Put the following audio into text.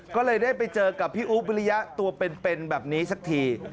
ก็เลยได้ไปเจอกับพี่อุ๊บวิริยะตัวเป็นแบบนี้สักที